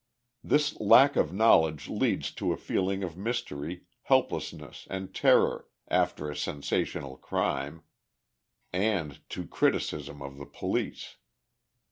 This lack of knowledge leads to a feeling of mystery, helplessness and terror after a sensational crime, and to criticism of the police.